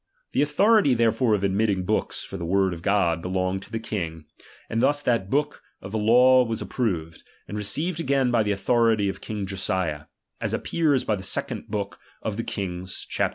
The authority therefore of admitting books for the word of God, belonged to the king; and thus that book of the law was approved, and received again by the authority of king Josiah ; as appears by the second book of the Kings, chap.